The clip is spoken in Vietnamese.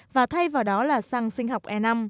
và thay vào đó là xăng sinh học e năm